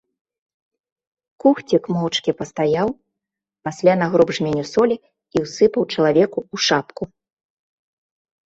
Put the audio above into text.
Кухцік моўчкі пастаяў, пасля нагроб жменю солі і ўсыпаў чалавеку ў шапку.